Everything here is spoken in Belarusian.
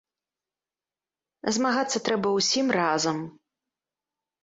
Змагацца трэба ўсім разам!